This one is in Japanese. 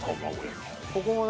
ここも何？